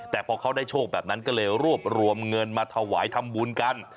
แต่พอเขาได้โชคแบบนั้นก็เลยรวบรวมเงินมาถวายทำบุญกัน